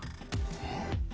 えっ？